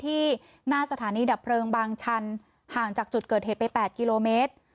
ที่หน้าสถานีดับเพลิงบางชันห่างจากจุดเกิดเหตุไป๘กิโลเมตร